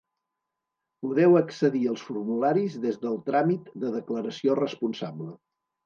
Podeu accedir als formularis des del tràmit de Declaració Responsable.